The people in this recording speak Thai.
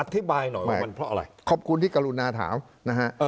อธิบายหน่อยว่ามันเพราะอะไรขอบคุณที่กรุณาถามนะฮะ